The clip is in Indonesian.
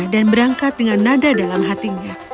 dan berangkat dengan nada dalam hatinya